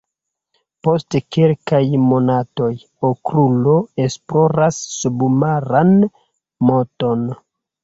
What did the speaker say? Post kelkaj monatoj, Okrulo esploras submaran monton.